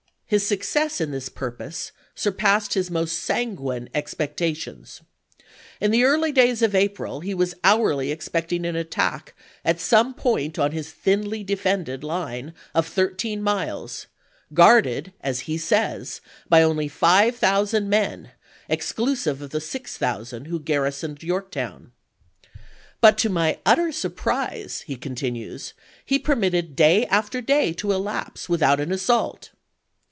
His success in this purpose sur passed his most sanguine expectations. In the early days of April he was hourly expecting an at tack at some point on his thinly defended line of thirteen miles, guarded, as he says, by only 5000 men, exclusive of the 6000 who garrisoned York town. " But to my utter surprise," he continues, " he permitted day after day to elapse without an assault."